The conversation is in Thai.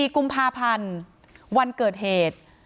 ๔กุมภาพันธ์วันเกิดเหตุ